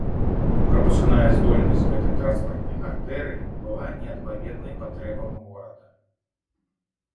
Прапускная здольнасць гэтай транспартнай артэрыі была неадпаведнай патрэбам горада.